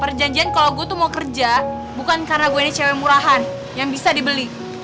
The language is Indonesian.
perjanjian kalau gue tuh mau kerja bukan karena gue ini cewek murahan yang bisa dibeli